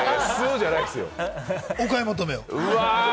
お買い求めを。